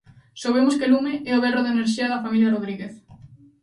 Soubemos que 'lume' é o berro de enerxía da familia Rodríguez.